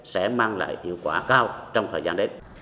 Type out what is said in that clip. sẽ mang lại hiệu quả cao trong thời gian đến